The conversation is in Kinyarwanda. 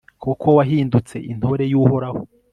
kuko wahindutse intore y'uhoraho